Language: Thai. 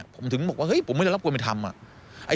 ผมถึงบอกว่าผมไม่ได้รับความผิดทำ